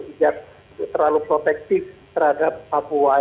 tidak terlalu protektif terhadap papua